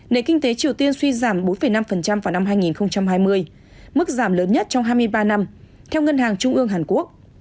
nền kinh tế triều tiên suy giảm bốn năm vào năm hai nghìn hai mươi mức giảm lớn nhất trong hai mươi ba năm theo ngân hàng trung ương hàn quốc